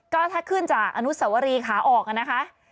ก็ถ้าขึ้นจากอนุสวรีขาออกนะคะ